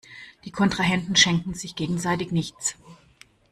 Die Kontrahenten schenken sich gegenseitig nichts.